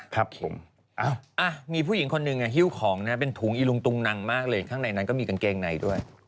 ครับผมมีผู้หญิงคนหนึ่งฮิ้วของนะเป็นถุงอีลุงตุงนังมากเลยข้างในนั้นก็มีกางเกงในด้วย